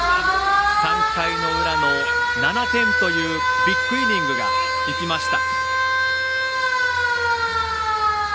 ３回の裏の７点というビッグイニングが生きました。